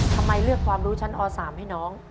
ทำไมเลือกความรู้ชั้นอ๓ให้น้อง